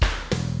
terima kasih bang